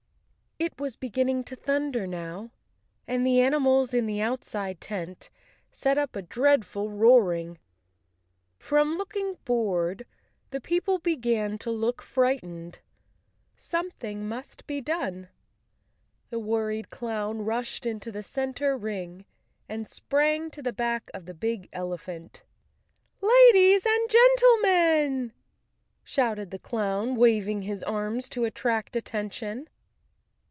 It was beginning to thunder now, and the animals in the outside tent set up a dreadful roaring. From looking bored, the people began to look frightened. Something must be done. The worried clown rushed into the center ring and sprang to the back of the big elephant. "Ladies and gentlemen!" shouted the clown, wav¬ ing his arms to attract attention.